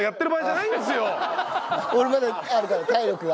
俺まだあるから体力が。